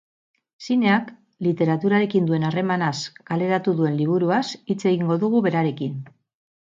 Zineak literaturarekin duen harremanaz kaleratu duen liburuaz hitz egingo dugu berarekin.